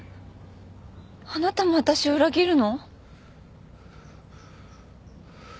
あなたもわたしを裏切るの？